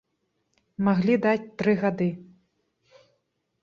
Маглі даць тры гады.